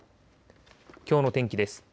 きょうの天気です。